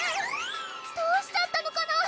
どうしちゃったのかな？